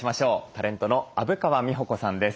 タレントの虻川美穂子さんです。